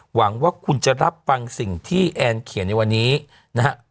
หวังว่าคุณจะรับฟังสิ่งที่แอนเขียนในวันนี้นะฮะ